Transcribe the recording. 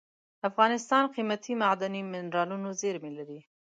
افغانستان قیمتي معدني منرالونو زیرمې لري.